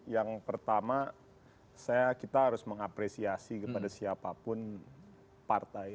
yang pertama kita harus mengapresiasi kepada siapapun partai